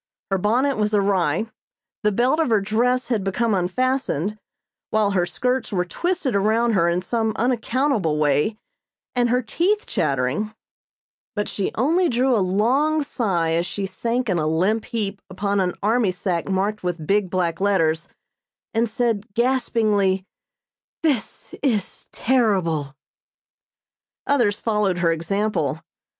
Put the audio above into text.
Her bonnet was awry, the belt of her dress had become unfastened, while her skirts were twisted around her in some unaccountable way and her teeth chattering; but she only drew a long sigh as she sank in a limp heap upon an army sack marked with big black letters, and said gaspingly: "This is terrible!" Others followed her example.